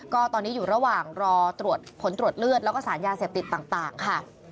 ก็ตอนนี้อยู่ระหว่างรอตรวจผลตรวจเลือดแล้วก็สารยาเสพติดต่างค่ะ